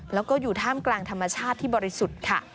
แล้วก็อยู่ท่ามกลางธรรมชาติที่บริสุทธิ์ค่ะ